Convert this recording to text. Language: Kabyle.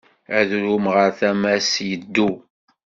Adrum ɣer tama-s yeddu.